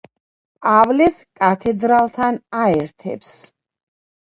პავლეს კათედრალთან აერთებს.